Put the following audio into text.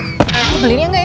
kamu tuh nyebelin ya gak ya